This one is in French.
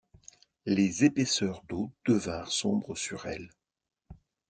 Les épaisseurs d’eau devinrent sombres sur elle.